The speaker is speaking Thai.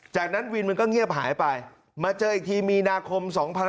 จากนั้นวินมันก็เงียบหายไปมาเจออีกทีมีนาคม๒๕๖๒